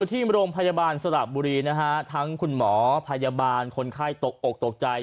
ที่โรงพยาบาลสระบุรีนะฮะทั้งคุณหมอพยาบาลคนไข้ตกอกตกใจ